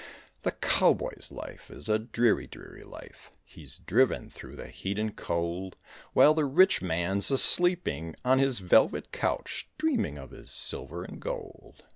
The cowboy's life is a dreary, dreary life, He's driven through the heat and cold; While the rich man's a sleeping on his velvet couch, Dreaming of his silver and gold.